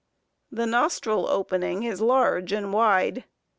] The nostril opening is large and wide.